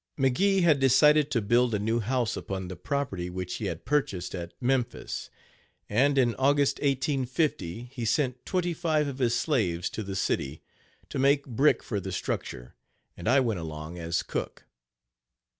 McGee had decided to build a new house upon the property which he had purchased at Memphis; and, in August 1850, he sent twenty five of his slaves to the city, to make brick for the structure, and I went along as cook.